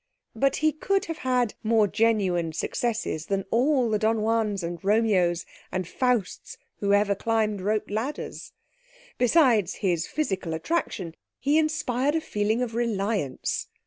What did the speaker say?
But he could have had more genuine successes than all the Don Juans and Romeos and Fausts who ever climbed rope ladders. Besides his physical attraction he inspired a feeling of reliance.